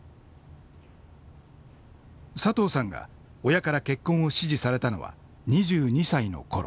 佐藤さんが親から結婚を指示されたのは２２歳のころ。